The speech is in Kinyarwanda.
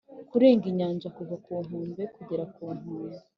kurenga inyanja kuva ku nkombe kugera ku nkombe